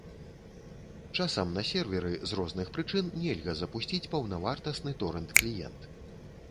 Часам на серверы з розных прычын нельга запусціць паўнавартасны торэнт-кліент.